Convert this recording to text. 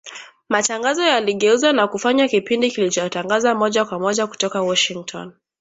matangazo yaligeuzwa na kufanywa kipindi kilichotangazwa moja kwa moja kutoka Washington